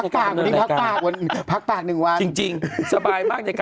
ก็เป็นน้องสาวทั้งนั้นน่ะ